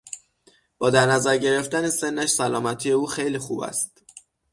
با در نظر گرفتن سنش سلامتی او خیلی خوب است.